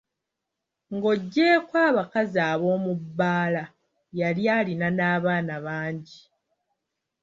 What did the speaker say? Ng'oggyeko abakazi ab'omubbaala yali alina n'abaana bangi.